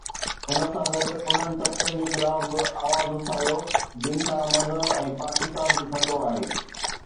ان سان گڏ انهن طبقن جي خلاف به آواز اٿاريو، جن کان مذهب ۽ پاڪستان کي خطرو آهي.